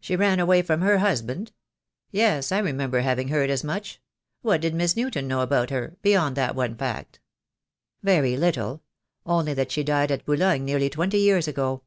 "She ran away from her husband! Yes, I remember having heard as much. What did Miss Newton know about her — beyond that one fact?" "Very little — only that she died at Boulogne nearly twenty years ago.